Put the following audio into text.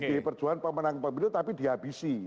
pdi perjuangan pemenang pemilu tapi dihabisi